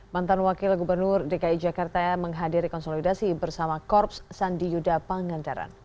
mantan wakil gubernur dki jakarta menghadiri konsolidasi bersama korps sandi yuda pangandaran